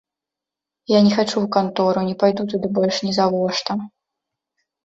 Я не хачу ў кантору, не пайду туды больш нізавошта.